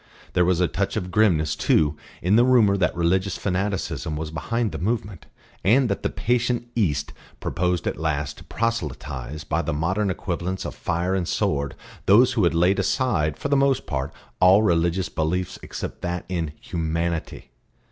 There was a touch of grimness too in the rumour that religious fanaticism was behind the movement, and that the patient East proposed at last to proselytise by the modern equivalents of fire and sword those who had laid aside for the most part all religious beliefs except that in Humanity.